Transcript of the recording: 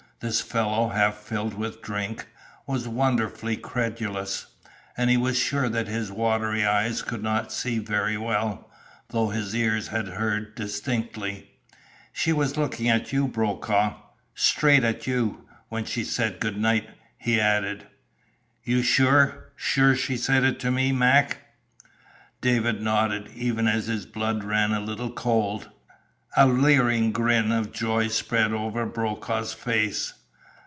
This fellow, half filled with drink, was wonderfully credulous. And he was sure that his watery eyes could not see very well, though his ears had heard distinctly. "She was looking at you, Brokaw straight at you when she said good night," he added. "You sure sure she said it to me, Mac?" David nodded, even as his blood ran a little cold. A leering grin of joy spread over Brokaw's face.